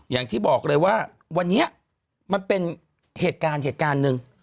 อย่างที่บอกเลยว่าวันนี้มันเป็นเหตุการณ์เหตุการณ์หนึ่ง